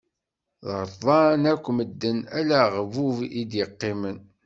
Ṛḍan akk medden, ala aɣbub i d-iqqimen.